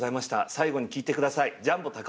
最後に聴いて下さい」